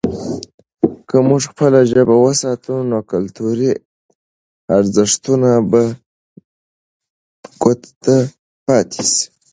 که موږ خپله ژبه وساتو، نو کلتوري ارزښتونه به ګوته ته پاتې سي.